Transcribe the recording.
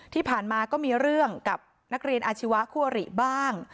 ที่ผ่านมาก็มีเรื่องกับนักเรียนอาชีวะคั่วหรี่บ้าง